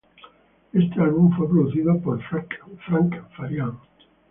Éste álbum fue producido por Frank Farian.